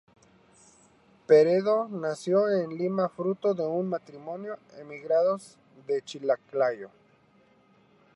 Peredo nació en Lima, fruto de un matrimonio emigrados de Chiclayo.